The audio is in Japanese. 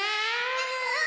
うん！